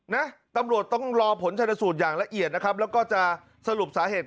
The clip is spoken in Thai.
นะตำรวจต้องรอผลชนสูตรอย่างละเอียดนะครับแล้วก็จะสรุปสาเหตุ